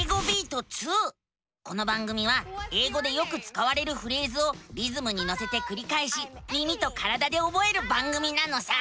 この番組は英語でよくつかわれるフレーズをリズムにのせてくりかえし耳と体でおぼえる番組なのさ！